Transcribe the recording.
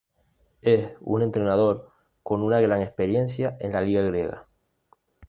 Es un entrenador con una gran experiencia en la Liga griega.